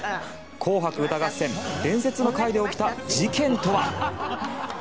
「紅白歌合戦」伝説の回で起きた事件とは？